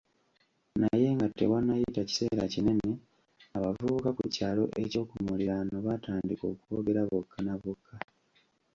Naye nga tewannayita kiseera kinene, abavubuka ku kyalo eky'okumulirano baatandika okwogera bokka na bokka